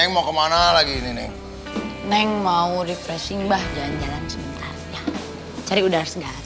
mau kemana lagi nih neng mau refreshing bah jalan jalan sementara cari udara segar